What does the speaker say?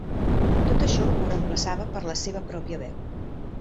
Tot això ho reemplaçava per la seva pròpia veu.